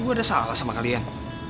gue udah salah sama kalian